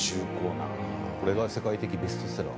これが世界的ベストセラー。